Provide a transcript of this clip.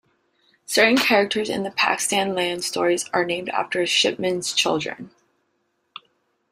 Certain characters in the "Pakkins' Land" stories are named after Shipman's children.